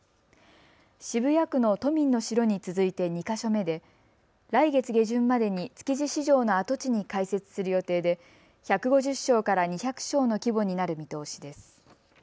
渋谷区の都民の城に続いて２か所目で来月下旬までに築地市場の跡地に開設する予定で１５０床から２００床の規模になる見通しです。